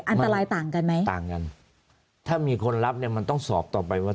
อันตรายต่างกันไหมต่างกันถ้ามีคนรับเนี่ยมันต้องสอบต่อไปว่า